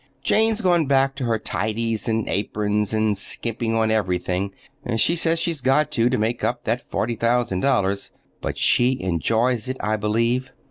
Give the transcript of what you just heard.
Jane's gone back to her tidies and aprons and skimping on everything. She says she's got to, to make up that forty thousand dollars. But she enjoys it, I believe.